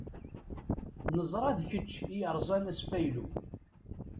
Neẓra d kečč i yerẓan asfaylu.